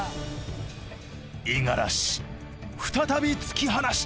五十嵐再び突き放した！